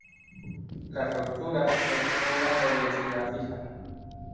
Las rupturas no tienen una periodicidad fija.